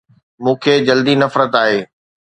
مون کي جلدي نفرت آهي